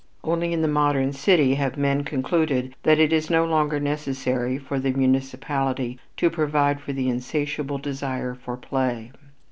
Only in the modern city have men concluded that it is no longer necessary for the municipality to provide for the insatiable desire for play.